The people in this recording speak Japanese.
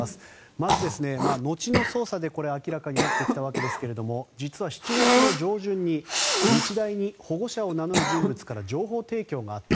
まず、後の捜査で明らかになってきたわけですが実は７月上旬に日大に保護者を名乗る人物から情報提供があった。